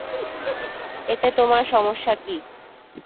এতে তোমার সমস্যা কি?